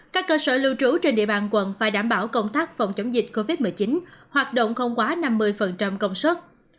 các cơ sở lưu trú trên địa bàn quận phải đảm bảo công tác phòng chống dịch covid một mươi chín hoạt động không quá năm mươi công suất